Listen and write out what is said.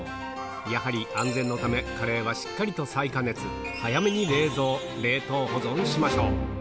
やはり安全のため、カレーはしっかりと再加熱、早めに冷蔵、冷凍保存しましょう。